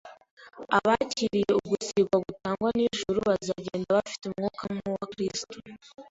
Abakiriye ugusigwa gutangwa n’ijuru bazagenda bafite Umwuka nk’uwa Kristo,